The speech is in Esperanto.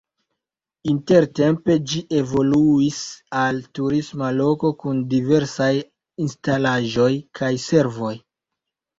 Intertempe ĝi evoluis al turisma loko kun diversaj instalaĵoj kaj servoj.